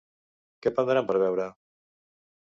Què prendran per veure?